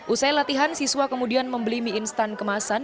usai latihan siswa kemudian membeli mie instan kemasan